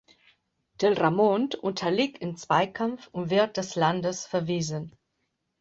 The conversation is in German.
Telramund unterliegt im Zweikampf und wird des Landes verwiesen.